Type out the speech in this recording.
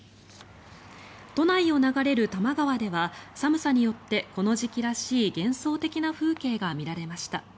都内を流れる多摩川では寒さによってこの時期らしい幻想的な風景が見られました。